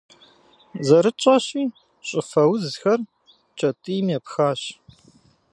Зэрытщӏэщи, щӏыфэ узхэр кӏэтӏийм епхащ.